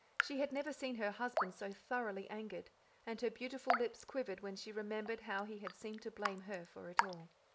She had never seen her husband so thoroughly angered, and her beautiful lips quivered when she remembered how he had seemed to blame her for it all.